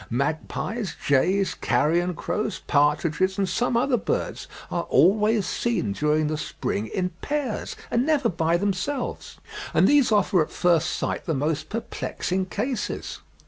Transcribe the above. Magpies, jays, carrion crows, partridges, and some other birds, are always seen during the spring in pairs, and never by themselves; and these offer at first sight the most perplexing cases.